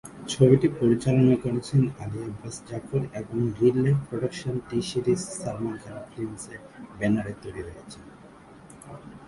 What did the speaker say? ছবিটি পরিচালনা করেছেন আলী আব্বাস জাফর এবং reel life production, T Series, Salman Khan ফিল্মসের ব্যানারে তৈরি হয়েছে।